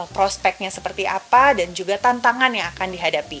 prospeknya seperti apa dan juga tantangan yang akan dihadapi